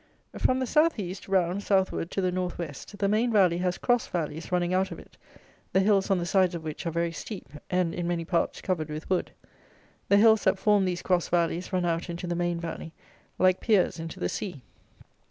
From the south east, round, southward, to the north west, the main valley has cross valleys running out of it, the hills on the sides of which are very steep, and, in many parts, covered with wood. The hills that form these cross valleys run out into the main valley, like piers into the sea.